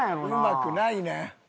うまくないねん。